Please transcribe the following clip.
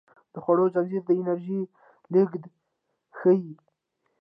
د خوړو زنځیر د انرژۍ لیږد ښيي